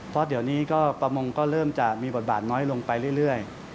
เพราะเดี๋ยวนี้ก็ประมงก็เริ่มจะมีบทบาทน้อยลงไปเรื่อย